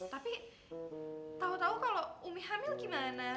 tapi tau tau kalo umi hamil gimana